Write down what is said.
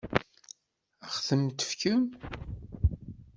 Ad ɣ-ten-tefkem?